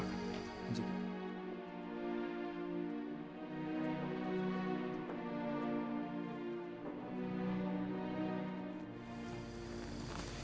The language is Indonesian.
dan dia datang setelah kita sholat maghrib perjamaah